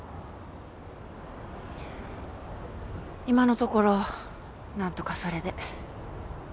今のところ何とかそれで。